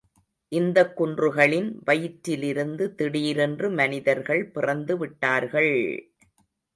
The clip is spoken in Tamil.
இந்தக் குன்றுகளின் வயிற்றிலிருந்து திடீரென்று மனிதர்கள் பிறந்துவிட்டார்கள்!